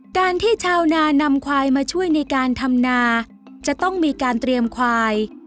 การที่ชาวนานำควายมาช่วยในการทำนาจะต้องมีการเตรียมควาย